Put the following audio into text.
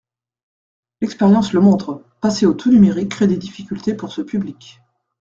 L’expérience le montre : passer au tout numérique crée des difficultés pour ce public.